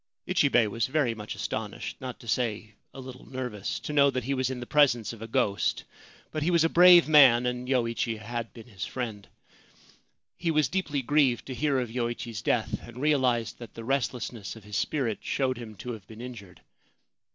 Ichibei was very much astonished (not to say a little 32 Ghost Story of the Flute's Tomb nervous) to know that he was in the presence of a ghost ; but he was a brave man, and Yoichi had been his friend. He was deeply grieved to hear of Yoichi's death, and realised that the restlessness of his spirit showed him to have been injured.